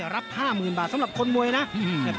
รับ๕๐๐๐บาทสำหรับคนมวยนะ